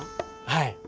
はい。